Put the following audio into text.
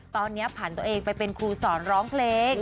ตอนนี้ผ่านตัวเองไปเป็นครูสอนร้องเพลง